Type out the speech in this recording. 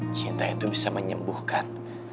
cinta itu bisa menyembuhkan